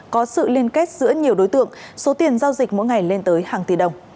có sự liên kết giữa nhiều đối tượng số tiền giao dịch mỗi ngày lên tới hàng tỷ đồng